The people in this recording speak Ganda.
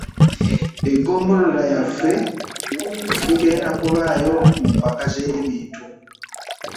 Eggombolola lyaffe ligenda kubaayo mu mpaka z'ebintu.